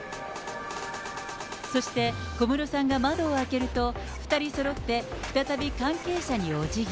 そして、小室さんが窓を開けると、２人そろって再び関係者にお辞儀。